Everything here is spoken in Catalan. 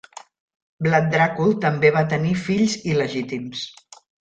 Vlad Dracul també va tenir fills il·legítims.